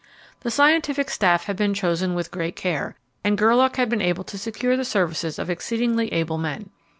The scientific staff had been chosen with great care, and Gerlache had been able to secure the services of exceedingly able men.